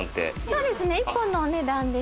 そうですね。